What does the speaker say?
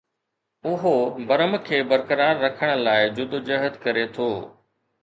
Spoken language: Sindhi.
اهو برم کي برقرار رکڻ لاء جدوجهد ڪري ٿو